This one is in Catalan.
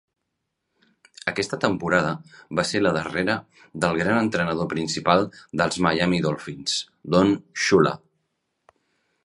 Aquesta temporada va ser la darrera del gran entrenador principal dels Miami Dolphins, Don Shula.